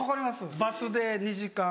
バスで２時間半。